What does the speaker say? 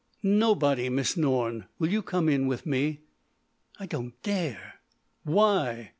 "Nobody, Miss Norne. Will you come in with me?" "I don't dare——" "Why?"